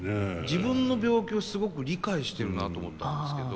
自分の病気をすごく理解してるなと思ったんですけど。